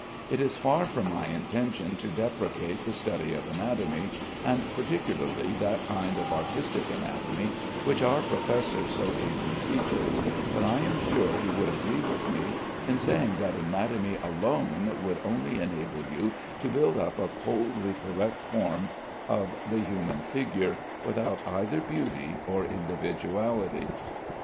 It is far from my intention to deprecate the study of anatomy, and particularly that kind of artistic anatomy which our Professor so ably teaches, but I am sure he would agree with me in saying that anatomy alone would only enable you to build up a coldly correct form of the human figure without either beauty or individuality.